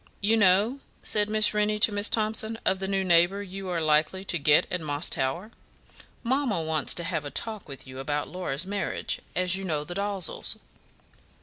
"You know," said Miss Rennie to Miss Thomson, "of the new neighbour you are likely to get at Moss Tower? Mamma wants to have a talk with you about Laura's marriage, as you know the Dalzells."